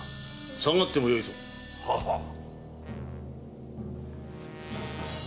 下がってもよいぞ。ははっ。